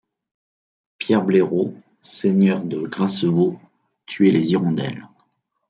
Pierre Bléraud, seigneur de Grassevaud, tuait les hirondelles.